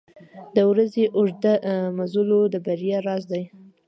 • د ورځې اوږده مزلونه د بریا راز دی.